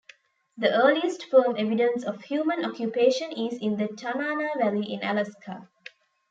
The earliest firm evidence of human occupation is in the Tanana Valley in Alaska.